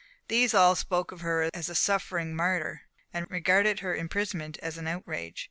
These all spoke of her as a suffering martyr and regarded her imprisonment as an outrage.